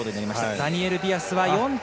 ダニエル・ディアスは４着。